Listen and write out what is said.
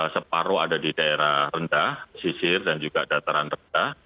separuh ada di daerah rendah sisir dan juga dataran rendah